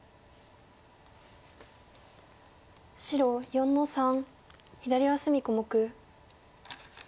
白４の三左上隅小目。